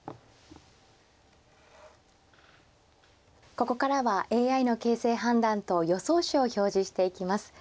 ここからはＡＩの形勢判断と予想手を表示していきます。